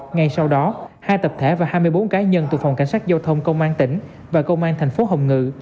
ngay sau đó hai tập thể và hai mươi bốn cá nhân từ phòng cảnh sát giao thông công an tỉnh và công an thành phố hồng ngự